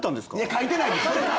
書いてないんですか？